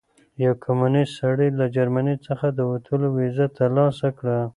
یو کمونیست سړي له جرمني څخه د وتلو ویزه ترلاسه کړه.